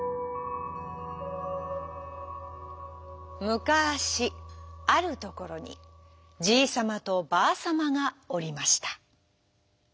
むかしあるところにじいさまとばあさまがおりました。